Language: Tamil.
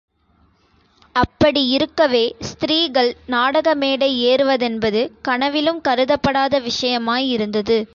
அப்படி யிருக்கவே, ஸ்திரீகள் நாடக மேடை ஏறுவதென்பது கனவிலும் கருதப்படாத விஷயமாயிருந்தது.